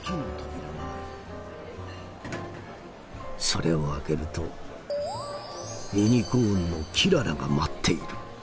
それを開けるとユニコーンのキララが待っている。